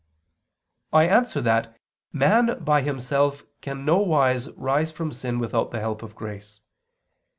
I answer that, Man by himself can no wise rise from sin without the help of grace.